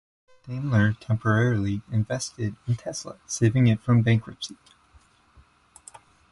Daimler temporarily invested in Tesla, saving it from bankruptcy.